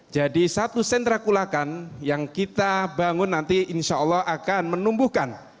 jadi satu sentra kulakan yang kita bangun nanti insya allah akan menumbuhkan